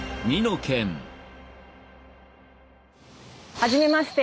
はじめまして。